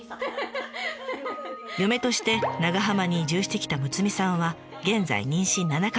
嫁として長浜に移住してきたむつみさんは現在妊娠７か月。